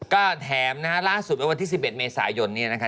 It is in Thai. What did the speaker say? ก็แถมนะฮะล่าสุดเมื่อวันที่๑๑เมษายนเนี่ยนะคะ